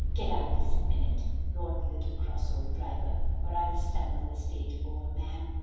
"'Get out this minute,' roared the little cross old driver, 'or I'll tumble the stage over, ma'am.